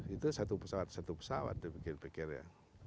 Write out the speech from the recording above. itu satu pesawat satu pesawat ya